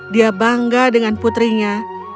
dia bangga dengan putrinya